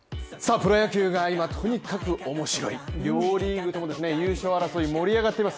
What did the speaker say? プロ野球が今とにかく面白い両リーグともですね優勝争い盛り上がってます